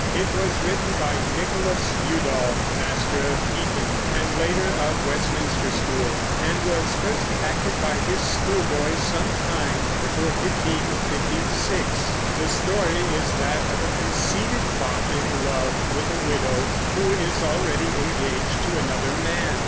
It was written by Nicholas Udall, master of Eton, and later of Westminster school, and was first acted by his schoolboys some time before 1556. The story is that of a conceited fop in love with a widow, who is already engaged to another man.